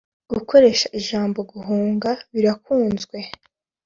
gukoresha ijambo guhunga birakunzwe